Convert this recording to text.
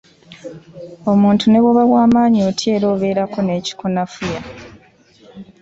Omuntu ne bwoba w'amaanyi otya era obeerako n'ekikunafuya.